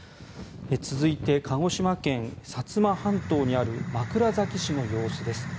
続いて鹿児島県薩摩半島にある枕崎市の様子です。